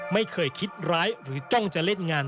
ไม่เคยคิดร้ายหรือจ้องจะเล่นงาน